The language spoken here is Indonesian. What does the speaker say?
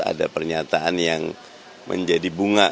ada pernyataan yang menjadi bunga